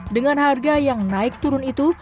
dengan harga yang naik turun itu